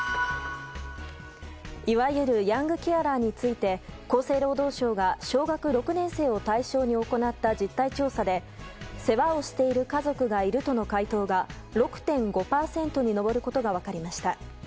いわゆるヤングケアラーについて厚生労働省が小学６年生を対象に行った実態調査で世話をしている家族がいるとの回答が６．５％に上ることが分かりました。